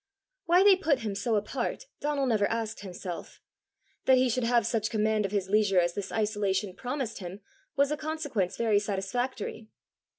Why they put him so apart, Donal never asked himself; that he should have such command of his leisure as this isolation promised him was a consequence very satisfactory.